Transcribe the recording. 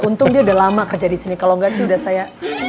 untung dia udah lama kerja disini kalo gak sih udah saya